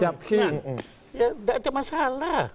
ya itu masalah